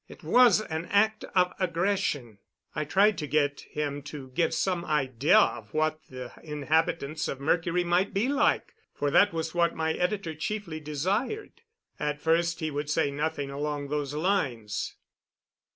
It was an act of aggression." I tried to get him to give some idea of what the inhabitants of Mercury might be like, for that was what my editor chiefly desired. At first he would say nothing along those lines.